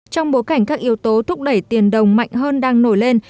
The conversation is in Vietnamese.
trong bối cảnh các yếu tố thúc đẩy tiền đồng mạnh hơn đang nổi lên